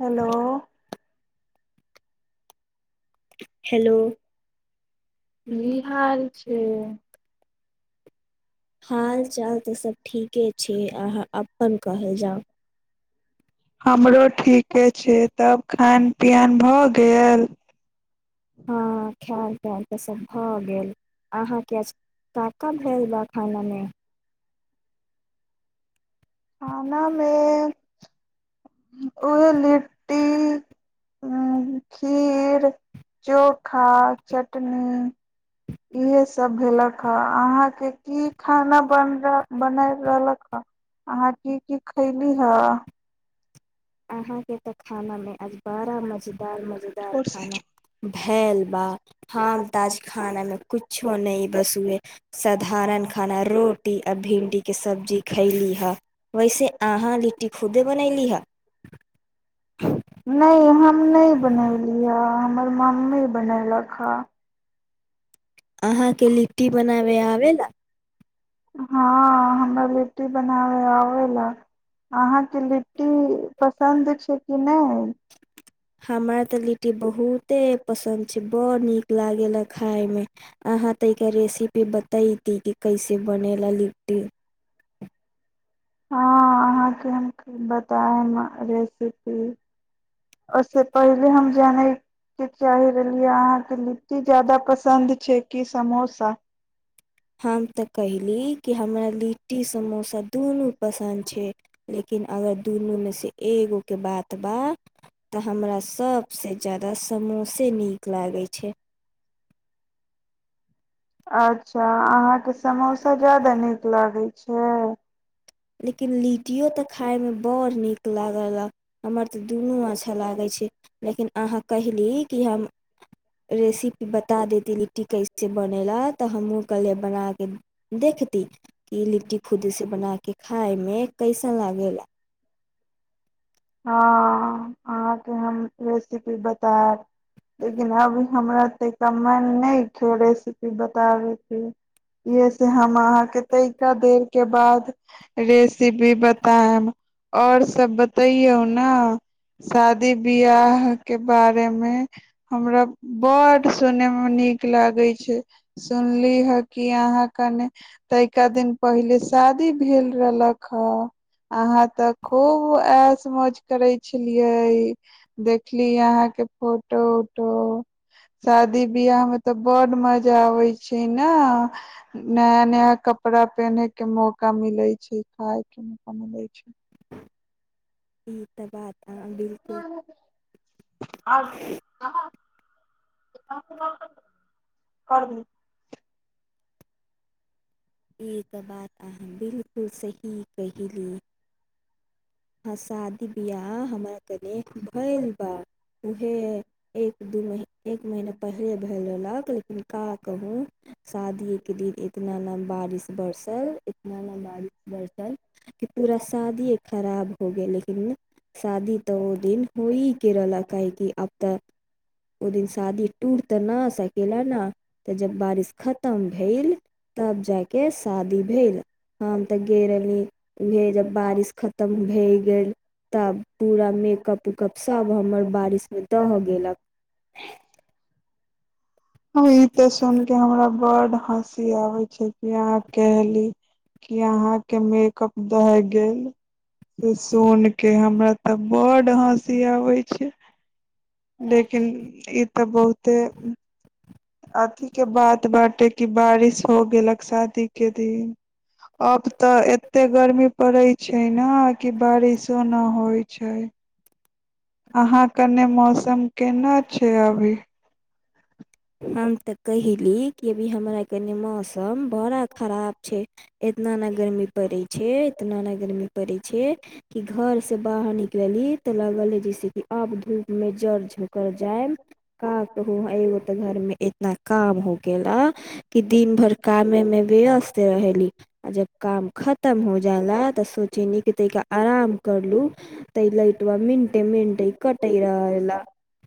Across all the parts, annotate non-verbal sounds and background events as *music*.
Hello hello कि हाल छै हाल चाल तऽ सब ठीके छै छी अहाँ अपन कहल जाउ हमरो ठीके छै तब खान पियान भऽ गेल हँ खायल पियल तऽ सभ भऽ गेल अहाँके आज का का भेल बा खानामे खानामे उहे लिट्टी खीर चोखा चटनी इहे सभ भेलक ह अहाँके की खाना बन रहल बनाय रहलक ह अहाँ कि की खैली हँ अहाँके तऽ खानामे आज बड़ा मजेदार मजेदार खाना भेलै बा हम चालेल ताज चालेल. खाना मे खूप कुछो छान न बस बोललीस. उएह साधारण खाना रोटी आ भिंडी के सब्जी खैली हे वैसे अहा आहार लिट्टी खुदे व्यवस्था बनैली बनवली? ह नहि हम नहि बनैली ह हमरा तऽ मम्मी बनैलक ह अहाँके लिट्टी बनाबै आबे हे हँ हमरा लिट्टी बनाबे आबेला अहाँ नहि हमरा ते लिट्टी बहुते पसन्द छै बड़ नीक लागेला खाय मे अहा तऽ एके रेसिपी बतैती कि कैसे बनेला लिट्टी हँ अहाँके हम बतायब रेसिपी ओहिसँ पहिले हम जानयके चाहि रहलियै अहाँके लिट्टी जादा पसन्द छै कि समोसा हम तऽ कहली कि हमरा लिट्टी समोसा तऽ दुनू पसन्द छै लेकिन अगर दुनू मे से एगो के बात बा तऽ हमरा सभसँ ज्यादा समोसे नीक लागै छै अच्छा अहाँके समोसा ज्यादा नीक लागैत छै हँ लेकिन लिट्टियो तऽ खाय मे बड़ नीक लाग गेला हमर तऽ दुनू अच्छा लागै छै लेकिन अहाँ कहली कि हम रेसिपी बता देती लिट्टी कैसे बनेला तऽ हमहूँ हँ कहलियै बना कऽ देखती कि लिट्टी खुदसँ बना कऽ खाय मे कैसन लागेला हँ अहाँके हम रेसिपी बतायब लेकिन अभी हमरा ते समय नहि छै रेसिपी बताबेके इहे से हम अहाँके तैका देर के बाद रेसिपी बता आओर सब बत बतैयौ ने शादी बियाह के बारेमे हमरा बड सुने में निक लागे छै सुनली हे कि अहाँ कने त एका दिन पहिले शादी भेल रहलक ह अहाँ तऽ खूब एस मौज करे छलिये देखली अहां के फोटो उटो शादी बियाह में तऽ बड मजा आबे छै ने नया नया कपड़ा पेने के मौका मिले छै खाय के मौका मिले छै ह्म आ कर दी एक बात अहाँ बिलकुल सही कली ह शादी बियाह हमर कने भैल बा उहे एक दू मही एक महीना पहिले भ रहलक लेकिन का कहू शादीेके दिन इतनाम बारिश बरसल इतना ना बारिश बरसल कि पूरा शादीेए खराब हो गीले लेकिन साधी त ओ दीन होय करलक काहेकि आब तऽ ओ दिन शादी टूट तऽ न सकेला न तऽ जब बारिश खतम भेल तब जाय के शादी भेल हम तऽ गेलेी उहे जब बारिश खतम भए गेल तब पूरा मेकअप उकअप सभ हमर बारिशमे दहि गेलक ईत सुन के हमरा बड हँसी सी आबे छै कि अहाँ कहली क अहा के मेकअप दह गेल से सुन के हमरा तऽ बड हँसी आबे छै लेकिन ई तऽ बहुते अथीके बात बाँटे कि बारिश हो गेलक शादीके दिन अब तऽ एतेक गर्मी पड़ैत छै ने कि बारिशो नहि होइ छै अहाँ के मौसम केना छै अभी हम तऽ कहिली कि अभी हमरा कनि मौसम बड़ा खराब छै इतना न गर्मी पड़ै छै इतना ने गर्मी पड़ै छै क घर से बाहर निकल लेली तऽ लगल ह जैसेी आब धूप में जड़ झकर जाय का कहु एगो घर मे इतना काम हो गेला कि दिन भर कामे मे वयस्त रहली आ जब काम खतम हो जाला तऽ सोचे न क तै क आराम करलू त इ ल इटब मिंटे मिंटे कटय रह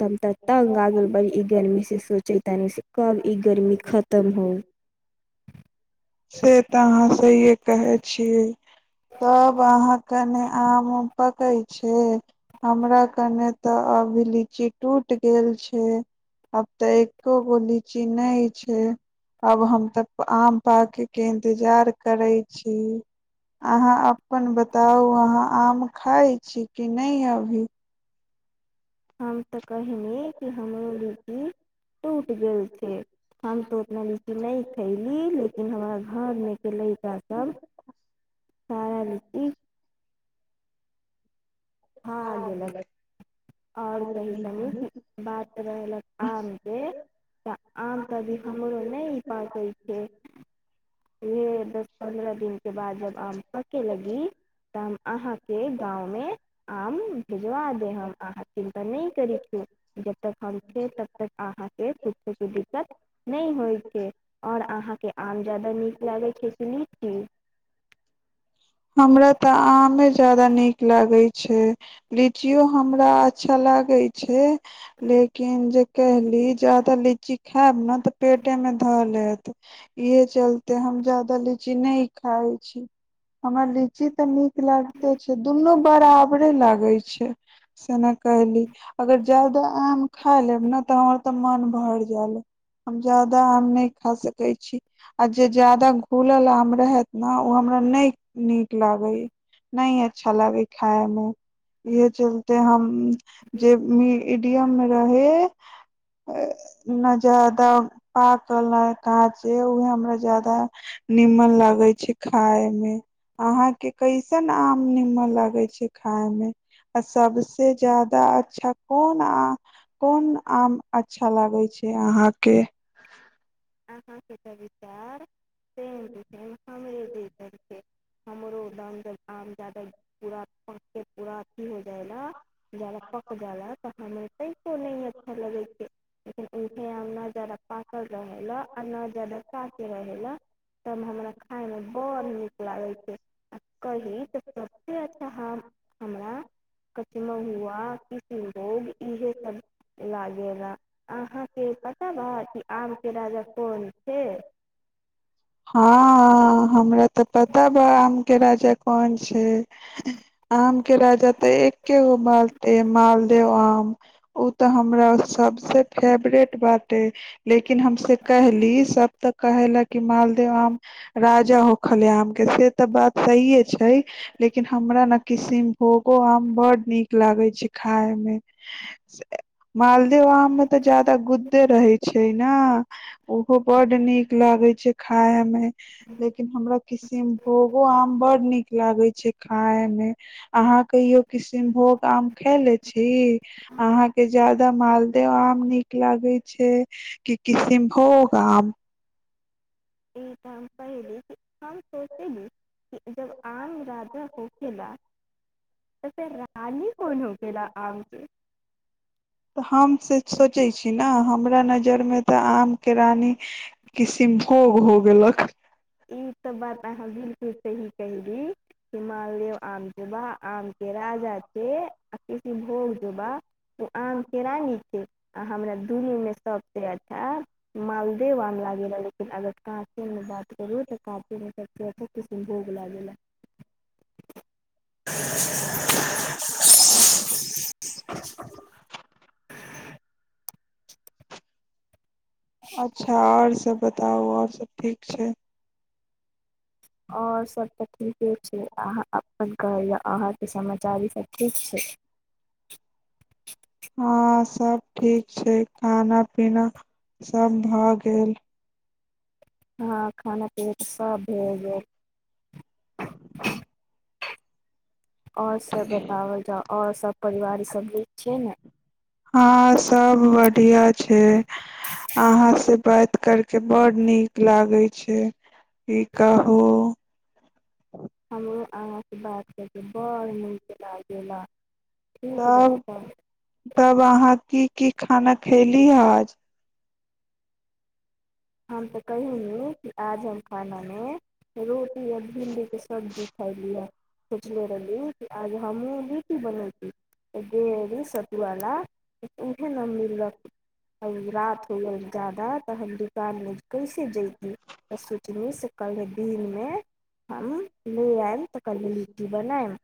तंगग गेलर बड़ी ईन मिसस सोचे तनी से कब ई गर्मी खतम हो से तऽ अहाँ सहिे कहे छीियै तब अहाँ क ने आम उम पक छै हमरा कने ते अभी लीची टूट गेल छै आब तऽ एको गो लीची नहि छै अब हम तऽ आम पाक के इन्तजार करै छी अहाँ अपन बताउ अहाँ आम खाइ छी कि नहि अभी हम तऽ कहहिनेिय कि हमरो लीचकी टूट गेल छै हम तो उतना लीचिन नहि खैली लेकिन इ हमर हाँ घरमेके लड़काभ सारा लीची भा गेलक आओर कहीँ कनी बात रहलक आमके तऽ आम तऽ अभी हमरो नहि पकै छै वह दस पन्द्रह दिनके बाद जब आम पक लगी त अहाँ के गांव मे आम भेजवा दे हम अहाँ चिन्ता नहि करै छी जबतक हम छै तबतक अहाँ के कुछो के दिक्कत नहि होइ छै और अहाँ के आम जादा नीक खती न लीची हमरा तऽ आमे जादा नीक लागे छै ब लिचियो हमरा अच्छा लागे छै लेकिन जे कहली जादा लीची लीची खायब ने तऽ पेटे मे धऽ हत इहे चलते हम जाददा लीची नहि खााय छी हमरा लीची तऽ न लागते छै दुनू बराबरे लागे छै से ने कहली अगर जदाा आम खा लेब ने तऽ हमर तऽ मन भर जाल हम जदाा आम नहि खा सकै छी आ जे जादाा घुलल आम रहत ने ओ हमरा नहि नीक लागे नहि अच्छा लागे खााय मे इहे चलते हम जे मि इ मडियम रहे ने जदाा पाकल ने काँचे उहे हमरा जदाा नीमन लागे छै खाय मे अहाँके कैसन आम निीमन लागै छै खाय मे आ सबसे जादा अच्छा कोन आ कोन आम अच्छा लागै छै अहाँके आ हँ कत विचार से छै हम कर हमरो दाम आम जा पूरा पूरा अथी हो जाइ ने जादा पक जदा तऽ मरतै हं *inaudible* उहे हज साफे रहै ल लागै छै आ कही तऽ सबसे अच्छा हम हमरा कचमहुआ ह *inaudible* किसिनभोग इहे सब लागेला अहाँके पता बा कि आम के राजा कौन थे हँ हमरा तऽ पता बा आम के राजा कोन छै आम के राजा तऽ एके गो बालते मालदेव आम ओ तऽ हमरा सबस फेवरेट बात ह लेकिन हमस कहली सब तऽ कहे ल कि मालद आम राजा होखले आम के से तऽ बात सहिे छै लेकिन हमरा ने किसनभोगो आम बड नीक लागे छै खाय मे मालदेव आम मे तऽ जादाा गुद्दे रहे छै ने ओहो बड नीक लागे छै खाय मे लेकिन हमरा किशनभोगो आम बड नीक लागै छै खाय मे अहाँ कहियो किशनभोग आम खयले छी अहाँके ज्यादा मालदे आम नीक लागै छै कि किशनभोग आम इ त हम पहिले हम सोचेनी कि जब आम आ राजा होखेला *inaudible* त फिर रानी कौन होखेला आम के तऽ हम से सोचै छी ने हमरा नजरिमे तऽ आम के रानी किसिम भोग हो गेलक सब बात अहाँ बिलक स जो बा आम के राजा हँ थे आ किसिनभोग जो बा उ आम के रानी थे आ हमरा दुनु में ह सबसे अच्छा मालदेव आम तऽ कफी नहि *inaudible* अच्छा आओर सभ बताउ आओर सभ ठीक छै और सब तऽ ठीके छै अहाँ अपन कहैयौ अहाँके समाचार ई सब ठीक छै हँ सब ठीक छै खाना पीना सभ भऽ गेल हँ खाना पीैना सब भ गेल आओर से बतावल जाउ आओर सभ परिवार ईसभ भी छियै ने हँ सब बढ़िआं छै अहाँ से बात करके बड़ नीक लागै छै की कहू हमरो अहाँ से बात बड़ नीक लागेला ठीक बा तब तऽ तब अहाँ की की खाना खयली हन हम तऽ कहिनी बै कि आज हम खाना मे रोटी आ भिंडी के सब्जी खैली ह सोचले रहलली आज हमहूँ लिटी बनैती एदेद सतवाला ऽ उएहे ने मम्मी लग आ रात हो गेल ज्यादा तऽ हम दकानमे कैसे जयैती तऽ सोचली से कलिह दिनमे हम ले आयब तऽ कहलै लिट्टी बनायब